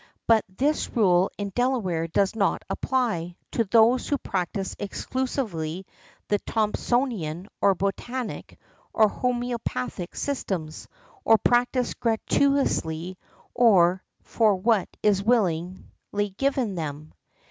But this rule in Delaware does not apply to those who practise exclusively the |49| Thompsonian or botanic, or homœopathic systems; or practise gratuitously or for what is willingly given them.